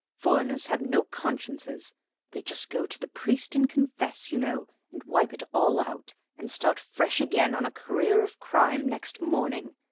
Foreigners have no consciences. They just go to the priest and con fess, 5'ou know, and wipe it all out, and start fresh again on a career of crime next morning.